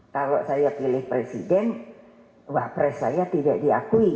kalau saya pilih presiden wah pres saya tidak diakui